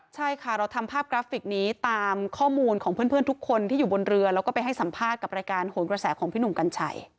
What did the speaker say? ใช่ค่ะเราทำภาพกราฟิกนี้ตามข้อมูลของเพื่อนทุกคนที่อยู่บนเรือแล้วก็ไปให้สัมภาษณ์กับรายการโหนกระแสของพี่หนุ่มกัญชัย